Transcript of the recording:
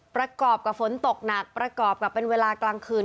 ประกอบกับฝนตกหนักประกอบกับเป็นเวลากลางคืน